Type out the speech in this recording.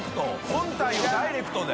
本体をダイレクトで？